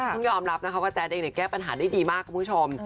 ยอมรับนะคะว่าแจ๊ดเองแก้ปัญหาได้ดีมากคุณผู้ชม